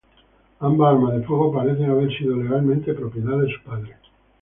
Ambas armas de fuego parecen haber sido legalmente propiedad de su padre.